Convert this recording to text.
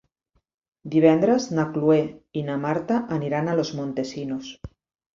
Divendres na Cloè i na Marta aniran a Los Montesinos.